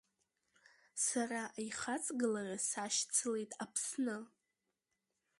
Сара аихаҵгылара сашьцылеит Аԥсны.